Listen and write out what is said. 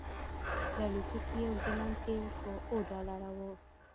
د الوتکې یو ګیلن تیل په اوه ډالره و